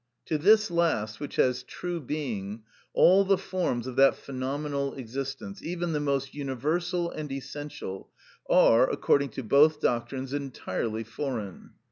To this last, which has true being, all the forms of that phenomenal existence, even the most universal and essential, are, according to both doctrines, entirely foreign.